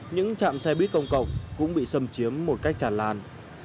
những trạm xe buýt công cộng cũng bị xâm chiếm một cách tràn làn